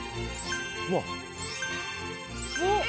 うわっ。